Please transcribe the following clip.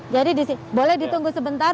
jadi disini boleh ditunggu sebentar